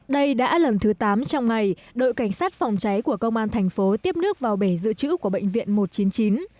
đây đã lần thứ tám trong ngày đội cảnh sát phòng cháy của công an thành phố tiếp nước vào bể dự trữ của bệnh viện một trăm chín mươi chín